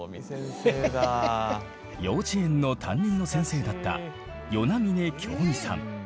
幼稚園の担任の先生だった與那嶺京美さん。